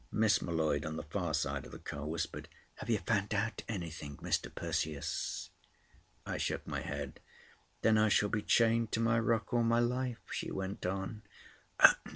Miss M'Leod on the far side of the car whispered, "Have you found out anything, Mr. Perseus?" I shook my head. "Then I shall be chained to my rock all my life," she went on.